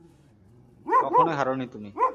কখনোই হারোনি তুমি।